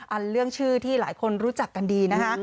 เรื่องชื่อที่หลายคนรู้จักกันดีนะคะ